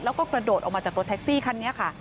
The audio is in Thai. แล้วก็กระโดดออกมาจากรถแท็กซี่คันนี้ค่ะ